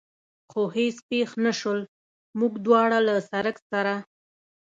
خو هېڅ پېښ نه شول، موږ دواړه له سړک سره.